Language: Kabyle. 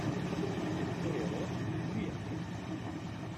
Ur iruḥ ur yeqqim.